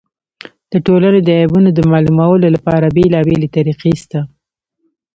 د ټولني د عیبونو د معلومولو له پاره بېلابېلې طریقي سته.